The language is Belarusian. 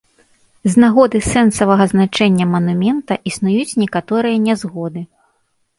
З нагоды сэнсавага значэння манумента існуюць некаторыя нязгоды.